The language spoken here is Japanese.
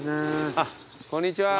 あっこんにちは。